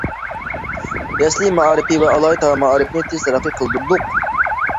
يەسلى مائارىپى ۋە ئالاھىدە مائارىپنى تېز تەرەققىي قىلدۇردۇق.